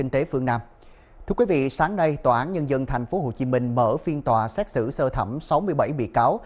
thưa quý vị sáng nay tòa án nhân dân tp hcm mở phiên tòa xét xử sơ thẩm sáu mươi bảy bị cáo